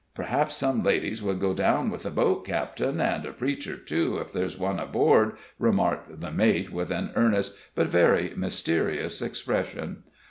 "Perhaps some ladies would go down with the boat, captain and a preacher, too, if there's one aboard," remarked the mate, with an earnest but very mysterious expression.